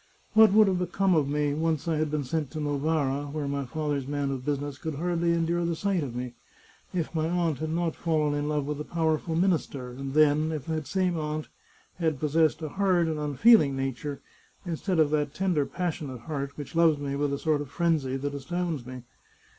What would have become of me once I had been sent to Novara, where my father's man of business could hardly endure the sight of me, if my aunt had not fallen in love with a powerful minister? and then, if that same aunt had possessed a hard and unfeeling nature, instead of that tender passionate heart which loves me with a sort of frenzy that astounds me